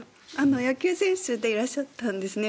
野球選手でいらっしゃったんですね